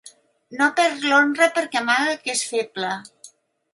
No perd l'honra perquè amaga que és feble.